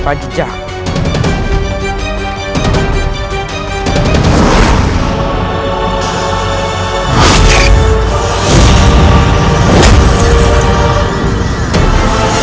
aku harus melenyapkannya